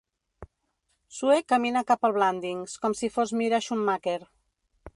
Sue camina cap a Blandings, com si fos Myra Schoonmaker.